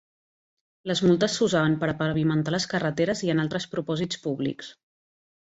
Les multes s'usaven per a pavimentar les carreteres i en altres propòsits públics.